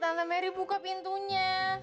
tante mari buka pintunya